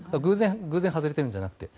偶然外れてるんじゃなくて。